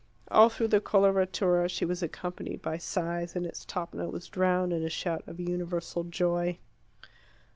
All through the coloratura she was accompanied by sighs, and its top note was drowned in a shout of universal joy.